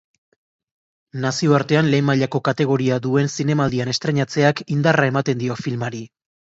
Nazioartean lehen mailako kategoria duen zinemaldian estreinatzeak indarra ematen dio filmari.